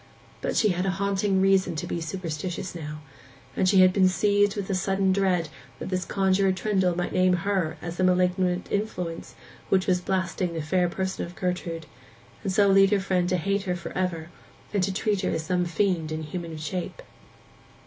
But she had a haunting reason to be superstitious now; and she had been seized with sudden dread that this Conjuror Trendle might name her as the malignant influence which was blasting the fair person of Gertrude, and so lead her friend to hate her for ever, and to treat her as some fiend in human shape.